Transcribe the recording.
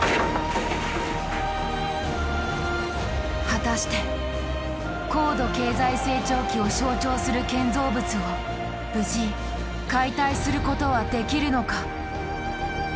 果たして高度経済成長期を象徴する建造物を無事解体することはできるのか。